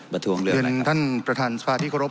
ประท้วงเรื่องอะไรครับครับเย็นท่านประธานสภาษณ์ที่เคารพ